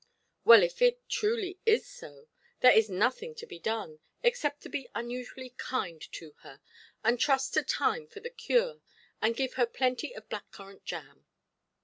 Well, if it truly is so, there is nothing to be done, except to be unusually kind to her, and trust to time for the cure, and give her plenty of black–currant jam".